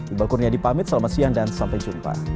ibu alkurnia dipamit selamat siang dan sampai jumpa